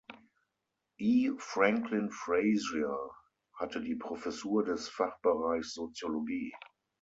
E. Franklin Frazier hatte die Professur des Fachbereichs Soziologie.